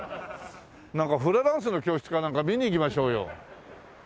なんかフラダンスの教室かなんか見に行きましょうよ。